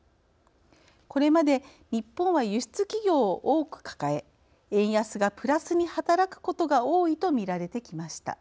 これまで日本は輸出企業を多く抱え円安がプラスに働くことが多いとみられてきました。